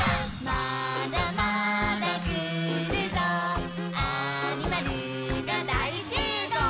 「まだまだくるぞアニマルがだいしゅうごう！」